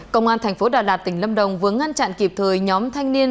công an thành phố đà lạt tỉnh lâm đồng vừa ngăn chặn kịp thời nhóm thanh niên